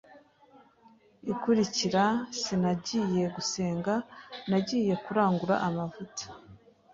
ikurikira sinagiye gusenga nagiye kurangura amavuta